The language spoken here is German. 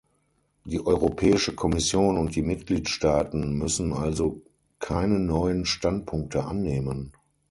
Die Europäische Kommission und die Mitgliedstaaten müssen also keine neuen Standpunkte annehmen.